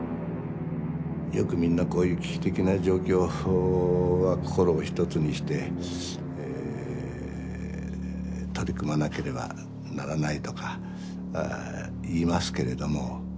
よくみんなこういう危機的な状況は心を一つにしてえ取り組まなければならないとか言いますけれども。